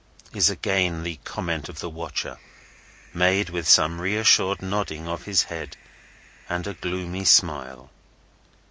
is again the comment of the watcher, made with some reassured nodding of his head, and a gloomy smile.